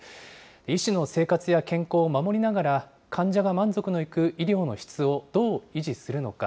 医師の生活や健康を守りながら、患者が満足のいく医療の質をどう維持するのか。